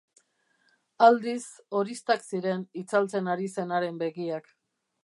Aldiz, horiztak ziren itzaltzen ari zenaren begiak.